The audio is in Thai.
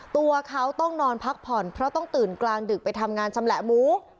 ตัวเขาต้องนอนพักผ่อนเพราะต้องตื่นกลางดึกไปทำงานชำแหละหมู